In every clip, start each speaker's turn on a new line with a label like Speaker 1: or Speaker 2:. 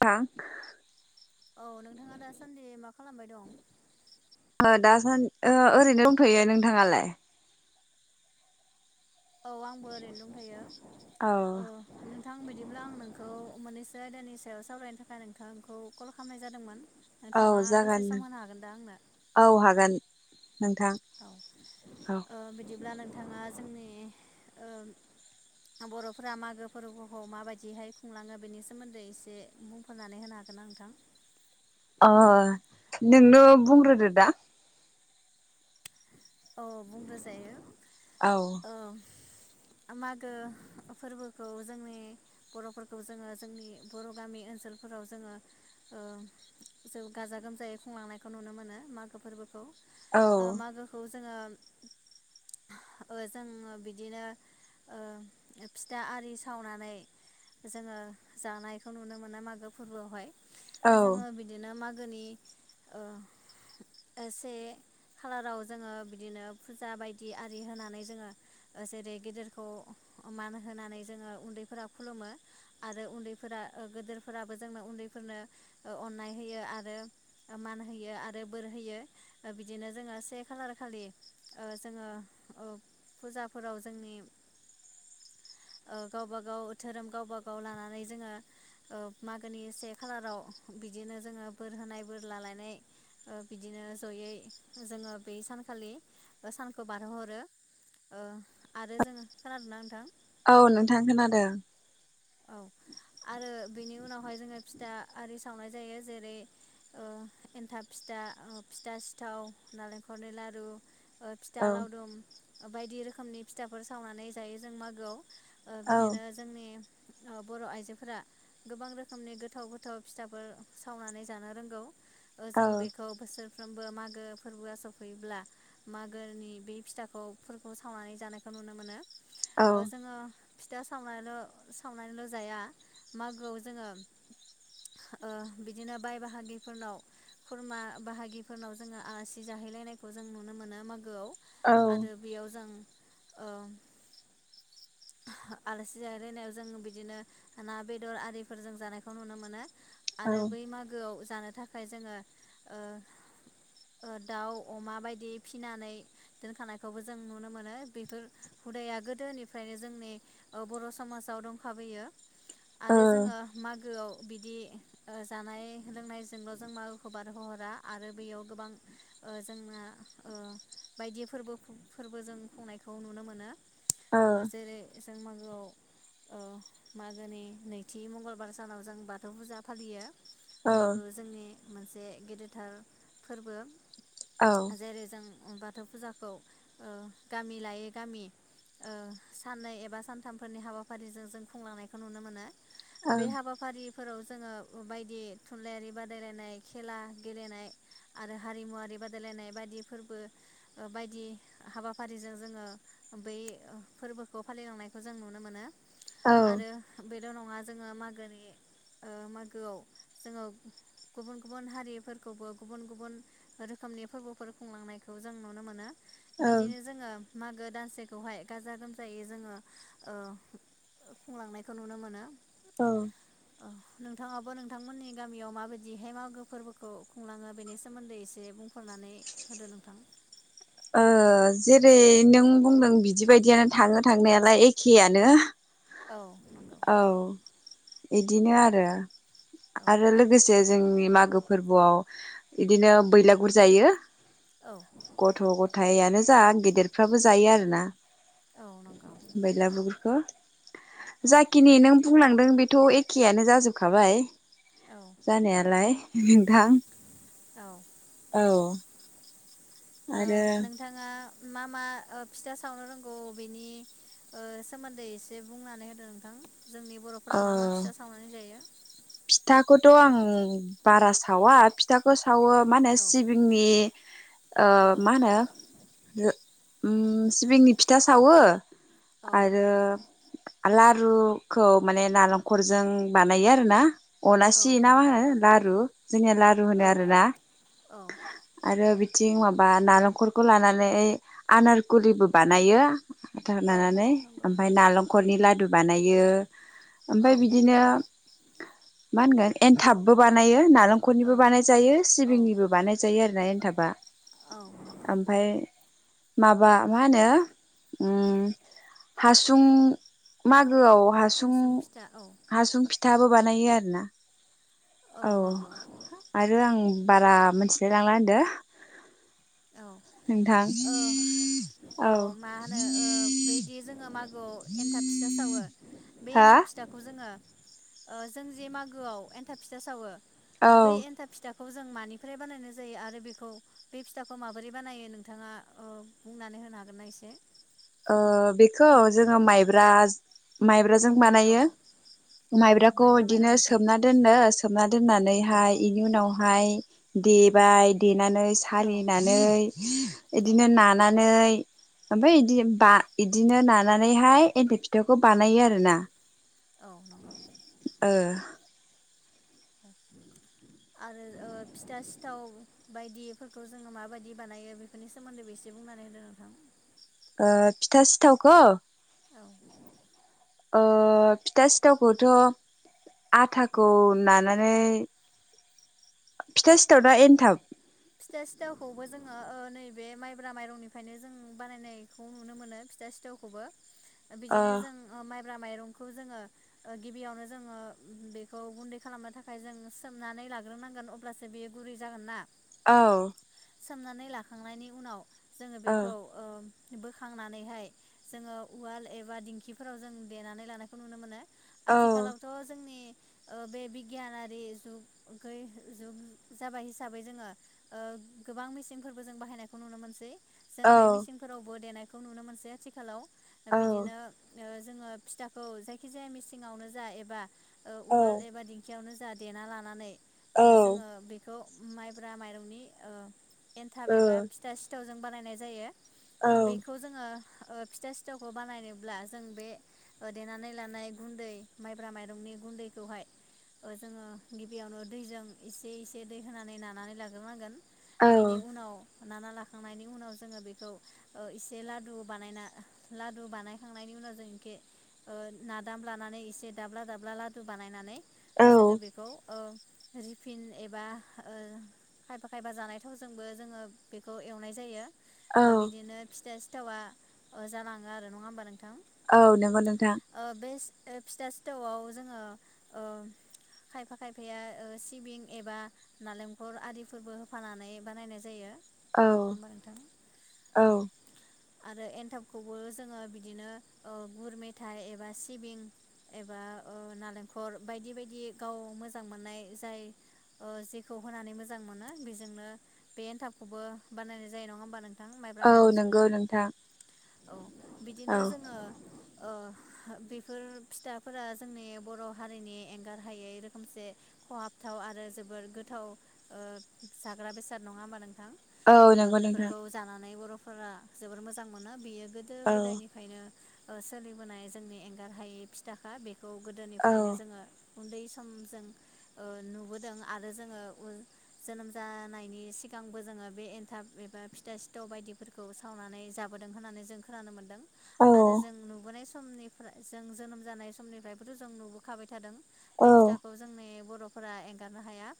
Speaker 1: थां
Speaker 2: औ नोंथाङा दासान्दि मा खालामबाय दं?
Speaker 1: ओन ओ ओरैनो दंथयो। नोंथाङालाय?
Speaker 2: औ आंबो ओरैनो दंथायो
Speaker 1: औ
Speaker 2: नोंथां बिदिब्ला आं नोंखौ मोननैसो आयदानि ओ सायाव सावरायनो थाखाय नोंथांखौ कल खालामनाय जादोंमोन
Speaker 1: औ
Speaker 2: नोंथाङा दसे
Speaker 1: जागोन
Speaker 2: सम होनो हागोन दा आंनो
Speaker 1: औ हागोन नोंथां
Speaker 2: औ
Speaker 1: औ
Speaker 2: ओ बिदिब्ला नोंथाङा जोंनि ओम आ बरफोरा मागो फोरबोखौ माबायदिहाय खुंलाङो बेनि सोमोन्दै एसे बुंफोरनानै होनो हागोन ना नोंथां?
Speaker 1: अ नोंनो बुंग्रोदो दा।
Speaker 2: औ बुंग्रो जायो।
Speaker 1: औ।
Speaker 2: मागो फोरबोखौ जोंनि बर'फोरखौ जोङो जोंनि बर' गामि ओनसोलफोराव जोङो ओ जों गाजा गोमजायै खुंलांनायखौ नुनो मोनो मागो फोरबोखौ।
Speaker 1: औ।
Speaker 2: ओ मागोखौ जोङो ओ जोङो बिदिनो ओ फिथा आरि सावनानै जोङो जानायखौ नुनो मोनो मागो फोरबोआवहाय।
Speaker 1: औ
Speaker 2: जोङो बिदिनो माग गोनि ओ ओ से खालाराव जोङो बिदिनो फुजा बायदि आरि होनानै जोङो जेरै गेदेरखौ मान होनानै जोङो उन्दैफोरा खुलुमो आरो उन्दैफोरा गेदेरफोराबो जोंनो उन्दैफोरनो ओ अननाय होयो आरो मान होयो आरो बोर होयो बिदिनो जोङो से खालार खालि ओ जोङो फुजाफोराव जोंनि ओ गावबा गाव धोरोम गावबा गाव लानानै जोङो ओ मागोनि से खालाराव बिदिनो जोङो बोर होनाय बोर लालायनाय ओ बिदिनो जयै जोङो बे सानखालि सानखौ बारहोहरो ओ आरो जोङो खोनादोंना नोंथां?
Speaker 1: औ नोंथां खोनादों।
Speaker 2: औ आरो बेनि उनावहाय जोङो फिथा आरि सावनाय जायो जेरै ओ एन्थाब फिथा ओ फिथा सिथाव, नालेंखलनि लारु ओ फिथा
Speaker 1: औ
Speaker 2: लावदुम बायदि रोखोमनि फिथाफोर सावनानै जायो जों मागोआव। ओ
Speaker 1: औ
Speaker 2: बिदिनो जोंनि ओ बर' आइजोफोरा गोबां रोखोमनि गोथाव गोथाव फिथाफोर सावनानै जानो रोंगौ।
Speaker 1: औ
Speaker 2: जों बेखौ बोसोर सानफ्रोमबो मागो फोरबोआ सफैयोब्ला मागोनि बे फिथाखौफोरखौ सावनानै जानायखौ नुनो मोनो।
Speaker 1: औ
Speaker 2: जोङो फिथा सावनायाल' सावनानैल' जाया। मागोआव जोङो ओ बिदिनो बाय बाहागिफोरनाव खुरमा बाहागिफोरनाव जोङो आलासि जाहैलायनायखौ जों नुनो मोनो माग गोआव
Speaker 1: औ ओ
Speaker 2: आरो बेयाव जों ओ आलासि जाहैलायनायाव जों जों बिदिनो ना बेदर आरिफोर जों जानायखौ नुनो मोनो।
Speaker 1: ओ
Speaker 2: आरो बै मागोआव ज जानो थाखाय जोङो ओ ओ दाउ अमा बायदि फिनानै दोनखानायखौबो जों नुनो मोनो बेफोर हुदाया गोदोनिफ्रायनो जोंनि ओ बर' समाज जाव दंखाबोयो।
Speaker 1: औ
Speaker 2: आरो जोङो मागोआव बिदि बिदि ओ जानाय लोंनायजोंल' जों मागोखौ बारहो हरा आरो बेयाव गोबां ओ जोंना ओ बायदि फोरबो फोरबो जों खुंनायखौ नुनो मोनो।
Speaker 1: औ
Speaker 2: ओ जेरै जों मागोआव औ मागोनि नैथि मंगलबार सानाव जों बाथौ फुजा फालियो। बैबो जोंनि मोनसे गेदेरथार फोरबो।
Speaker 1: औ
Speaker 2: जेरै जों बाथौ फुजाखौ गामि लायै गामि साननै एबा सानथामफोरनि हाबाफारि हाबखफारिजों जों खुंलांनायखौ नुनो मोनो। बे हाबाफारिफोराव जोङो बायदि थुनलाइयारि बादायलायनाय खेला गेलेनाय आरो हारिमुवारि बादायलायनाय बायदि फोरबो बायदि हाबाफारिजों जोङो बै फोरबोखौ फालिलांनायखौ जों नुनो मोनो।
Speaker 1: औ
Speaker 2: आरो बेल' नङा। जोङो मागोनि मागोआव जोङो गुबुन गुबुन हारिफोरखौबो गुबुन गुबुन रोखोमनि फोरबोफोर खुंलांनायखौ जों नुनो मोनो।
Speaker 1: औ ओ
Speaker 2: बिदिनो जोङो मागो दानसेखौहाय गाजा गोमजायै जोङो खुंलांनायखौ नुनो मोनो।
Speaker 1: औ
Speaker 2: औ नोंथाङाबो नोंथांमोननि गामियाव माबायदिहाय मागो फोरबोखौ खुंलाङो बेनि सोमोन्दै एसे बुंफोरनानै होदो नोंथां।
Speaker 1: ओ जेरै नों बुंदों बिदिबायदियानो थाङो थांनायालाय एखेयानो।
Speaker 2: औ नंगौ।
Speaker 1: बिदिनो आरो।
Speaker 2: औ
Speaker 1: आरो लोगोसे जोंनि मागो फोरबोआव बिदिनो बैलागुर जायो।
Speaker 2: औ।
Speaker 1: गथ' गथायानो जा गेदेरफ्राबो जायो आरोना।
Speaker 2: औ नंगौ
Speaker 1: बैलागुर [unintelligible]
Speaker 2: औ
Speaker 1: जाखिनि नों बुंलांदों बेथ' एखेयानो जाजोबखाबाय।
Speaker 2: नंगौ
Speaker 1: जानायालाय
Speaker 2: औ
Speaker 1: [unintelligible] औ।
Speaker 2: ओ
Speaker 1: आरो
Speaker 2: नोंथाङा मा मा फिथा सावनो रोंगौ बेनि ओ सोमोन्दै एसे बुंनानै होदो नोंथां। जोंनि
Speaker 1: ओ
Speaker 2: बर'फोरा मा मा फिथा सावनानै जायो?
Speaker 1: फिथाखौथ' आं बारा सावा फिथाखौ सावो मा होनो
Speaker 2: औ
Speaker 1: सिबिंनि ओ
Speaker 2: औ
Speaker 1: मा होनो ओम सिबिंनि फिथा सावो।
Speaker 2: औ
Speaker 1: आरो लारुखौ माने नालेंखरजों बानायो आरो ना।
Speaker 2: औ
Speaker 1: अनासि ना मा
Speaker 2: नंगौ
Speaker 1: होनो लारु जोंनिया लारु होनो
Speaker 2: औ
Speaker 1: आरोना
Speaker 2: औ
Speaker 1: आरो इथिं माबा नालेंखरखौ लानानै आनारखुलिबो बानायो।
Speaker 2: औ
Speaker 1: नानानै
Speaker 2: नंगौ
Speaker 1: ओमफ्राय नालेंखरखौ नालेंखरनि लादु बानायो।
Speaker 2: औ
Speaker 1: ओमफफ्राय बिदिनो। मा होनगोन एनथाबबो बानायो।
Speaker 2: औ
Speaker 1: नालेंखरनिबो बानायजायो
Speaker 2: औ
Speaker 1: सिबिंनिबो बानाय जायो आरो। एनथाबा।
Speaker 2: औ नंगौ।
Speaker 1: ओमफ्राय माबा मा होनो ओम हासुं मागोआव। हासुं
Speaker 2: फिथा औ
Speaker 1: हासुं फिथा। फिथाबो बानायो आरो ना। औ आरो आं बारा मोनथिया। [inaudible]
Speaker 2: औ औ औ मा होनो ओ बैदि जोङो मागोआव एन्थाब फिथा सावो बे
Speaker 1: हा
Speaker 2: एन्थाब फिथाखौ जोङो ओ जों जे मागोआव एन्थाब फिथा सावो।
Speaker 1: औ
Speaker 2: बै एन्था फिथा खौ जों मानिफ्राय बानायनाय जायो आरो बेखौ बे फिथा माबोरै बानायो नोंथाङा ओ बुंनानै होनो हागोनना एसे?
Speaker 1: ओ बेखौ जोङो माइब्राज माइब जों
Speaker 2: औ
Speaker 1: बानायो
Speaker 2: औ
Speaker 1: माइब्राखौ
Speaker 2: माइब्रा
Speaker 1: इदिनो
Speaker 2: माइरंनिफ्राय
Speaker 1: सोमना दोनो सोमना
Speaker 2: औ
Speaker 1: दोननानैहाय इनि उनावहाय दे बाय दे नानै
Speaker 2: औ
Speaker 1: सालिनानै
Speaker 2: औ
Speaker 1: इदिनो नानानै ओफायदि बा इदिनो नानानैहाय [unintelligible] बेखौ
Speaker 2: औ
Speaker 1: बानायो आरोना।
Speaker 2: औ नंगौ
Speaker 1: ओ।
Speaker 2: आरो ओ फिथा सिथाव बायदिफोरखौ जोङो माबायदि बानायो बेफोरनि सोमोन्दैबो एसे बुंनानै होदो नोंथां।
Speaker 1: ओ फिथा सिथावखौ।
Speaker 2: औ
Speaker 1: ओ फिथा सिथावखौथ' आथाखौ नानानै फिथा सिथाव ना एनथाब।
Speaker 2: फिथा सिथावखौबो जोङो ओ नैबे माइब्रा माइरंनिफायनो जों बानायनायखौ नुनो मोनो फिथा सिथावखौबो। बिदिनो जों ओ मा ब्रा माइरंखौ जोङो ओ गिबियावनो जोङो बेखौ गुन्दै खालामनो थाखाय जों सोमनानै लाग्रोनांगोन अब्लासो बेयो गुरै जागोन ना।
Speaker 1: औ।
Speaker 2: सोमनानै लाखांनायनि उनाव जोङो
Speaker 1: औ
Speaker 2: बेखौ ओम बोखांनानैहाय जोङो उवाल एबा दिंखिफोराव जों देनानै लानायखौ नुनो मोनो। आथिखालावथ' जोंनि ओ बे बिगियानारि जुग गै जुग जाबाय हिसाबै जोङो ओ गोबां मेसिनफोरबो जों बाहायनायखौ नुनो मोनसै जों
Speaker 1: औ
Speaker 2: बे मिसिनफोरावबो देनाय खौ नुनो मोनसै आथिखालाव नो
Speaker 1: औ
Speaker 2: बिदिनो ओ जोङो फिथाखौ जायखिजाया मेसिङावनो जा एबा ओ
Speaker 1: औ
Speaker 2: उवाल एबा दिंखियावनो [unintelligible] देना लानानै ओ जोङो बेखौ माइ ब्रा माइरंनि ओ एनथाब एबा फिथा सिथाव जों बानायनाय जायो बेखौ जोङो ओ फिथा सिथावखौ बानायनोब्ला जों ओ बे देनानै लानाय गुन्दै माइब्रा माइरंनि गुन्दैखौहाय ओ जोङो गिबियावनो दैजों एसे एसे दै होनानै ना नानै लाग्रोनांगोन बेनि उनाव नाना लाखांनायनि उनाव जोङो बेखौ ओ एसे लादु बानायना लादु बानायखांनायनि उनाव जों इखे ओ नादाम लानानै एसे दाब्ला दाब्ला लादु बानायनानै ओ
Speaker 1: औ
Speaker 2: जोङो बेखौ ओ रिफिन एबा ओ खायफा खायफा जानाय थावजोंबो जोङो बेखौ एवनाय जायो।
Speaker 1: औ
Speaker 2: ओ बिदिनो फिथास सिथावा ओ जालाङो आरो नङा होमबा नों
Speaker 1: औ नोंगौ नोंथां।
Speaker 2: ओ फिथा सिथावआव जोङो ओ खायफा खायफाया ओ सिबिं एबा नालें खर आरिफोरबो होफानानै बानायनाय जायो।
Speaker 1: औ
Speaker 2: नङा होमबा नोंथां? औ। आरो एन्थाबखौबो जोङो बिदिनो ओ गुर मेथाइ एबा सिबिं एबा ओ नालेंखर बायदि बायदि गाव मोजां मोननाय जाय ओ जेखौ होनानै मोजां मोनो बेजोंनो बे एनथाबखौबो बानायनाय जायो। नङा होमबा नों
Speaker 1: औ नोंगौ नोंथां।
Speaker 2: औ।
Speaker 1: औ
Speaker 2: बिदिनो जोङो ओ हो बेफोर फिथाफोरा जोंनि बर' हारिनि एंगारहायै रोखोमसे खहाबथाव आरो जोबोर गोद थाव ओ जाग्रा बेसाद। नङा होमबा नों थां?
Speaker 1: औ
Speaker 2: ओ
Speaker 1: नंगौ नोंथां
Speaker 2: बेफोरखौ जानानै बर' फोरा जोबोर मोजां मोनो बियो गोदो
Speaker 1: औ
Speaker 2: गोदायनिफायनो ओ सोलिबोनाय जोंनि एंगार हायि फिथाखा बे खौ
Speaker 1: औ
Speaker 2: गोदोनिफ्रायनो जोंङो उन्दै सम जों नुबोदों आरो आरो जोङो जोनोम जानायनि सिगांबो जोङो बे एनथाब एबा फिथा सिथाव बायदिफोरखौ सावनानै जाबोदों होननानै जों खोनानो मोन्दों।
Speaker 1: औ
Speaker 2: आरो जों नुबोनाय सम समनिफ्राय जों जोनोम जानाय समनिफ्रायबोथ' जों नुबोखाबाय थादों। बे
Speaker 1: औ
Speaker 2: फिथाखौ जोंनि बर' फोरा एंगारनो हाया।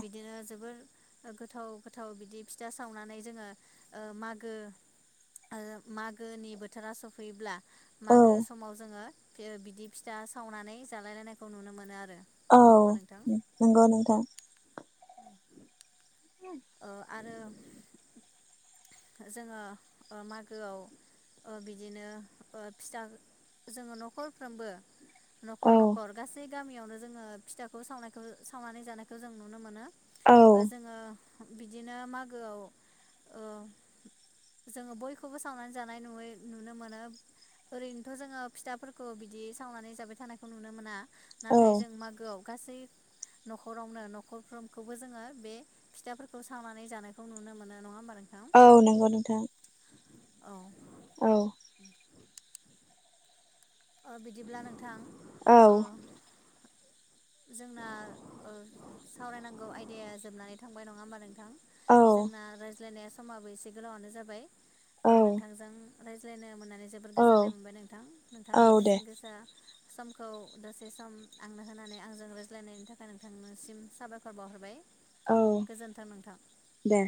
Speaker 2: बिदिनो जोबोर गोथाव गोथाव बिदि फिथा सावनानै जोङो मागो मागोनि बोथोरा सफैयोब्ला मागो समाव जोङो। बियो बिदि फिथा सावनानै जालाय लायनायखौ नुनो मोनो आरो
Speaker 1: औ
Speaker 2: होमबा नोंथां
Speaker 1: नंगौ नोंथां
Speaker 2: ओ आरो जोङो अ मागोआव ओ बिदिनो ओ फिथा जोङो न'खरफ्रोमबो न'खर
Speaker 1: औ
Speaker 2: न'खर गासै गामियावनो जोङो फिथाखौ सावनायखौ सावनानै जानायखौ जों नुनो मोनो
Speaker 1: औ
Speaker 2: ओ जोङो बिदिनो मागोआव ओ जोङो बयखौबो सावनानै जानाय नुयो नुनो मोनो ओरैनोथ' जोङो फिथाफोरखौ बिदि सावनानै जाबाय थानायखौ नुनो मोना
Speaker 1: औ
Speaker 2: नाथाय जों मागोआव गासै न'खरावनो न'खरफ्रोमखौबो जोङो बे फिथा खौ सावनानै जानायखौ नुनो मोनो नङा होमबा नोंथां
Speaker 1: औ नंगौ नोंथां
Speaker 2: औ
Speaker 1: औ
Speaker 2: उम अ बिदिब्ला नोंथां ओ
Speaker 1: औ
Speaker 2: जोंना ओ सावरायनांगौ आयदाया जोबनानै थांबाय नङा होमबा नोंथां
Speaker 1: औ
Speaker 2: जोंना रायज्लायनाया समाबो एसे गोलावानो जाबाय ओ
Speaker 1: औ
Speaker 2: नोंथांजों रायज्लायनो मोन्ना नै जोबर
Speaker 1: औ
Speaker 2: गोजोननाय मोनबाय नोंथां
Speaker 1: औ
Speaker 2: थांनि
Speaker 1: दे
Speaker 2: बेसेन गोसा समखौ दसे सम आंनो होनानै आंजों रायज्लायनायनि थाखाय नोंथांनिसिम साबायखर बावहरबाय।
Speaker 1: औ
Speaker 2: गोजोन्थों नोंथां।
Speaker 1: दे